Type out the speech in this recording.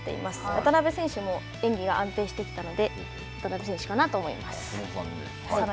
渡部選手も演技が安定してきたので、渡部選手かなと思います。